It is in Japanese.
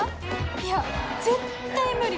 いや絶対無理！